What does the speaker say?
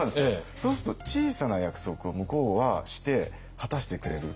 そうすると「小さな約束」を向こうはして果たしてくれる。